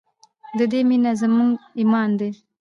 د دې مینه زموږ ایمان دی